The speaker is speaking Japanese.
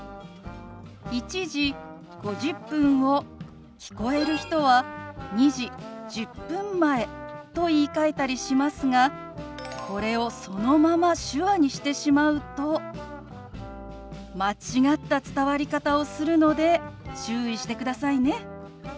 「１時５０分」を聞こえる人は「２時１０分前」と言いかえたりしますがこれをそのまま手話にしてしまうと間違った伝わり方をするので注意してくださいね。